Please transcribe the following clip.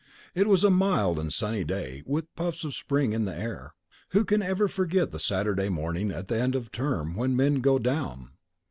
It was a mild and sunny day, with puffs of spring in the air. Who can ever forget the Saturday morning at the end of term when the men "go down"?